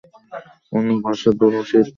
ঊনো বর্ষায় দুনো শীত।